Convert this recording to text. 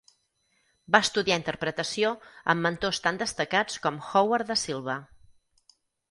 Va estudiar interpretació amb mentors tan destacats com Howard Da Silva.